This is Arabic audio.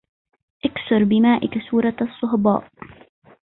اكسر بمائك سورة الصهباء